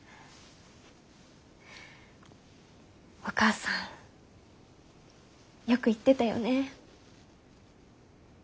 お母さんよく言ってたよね。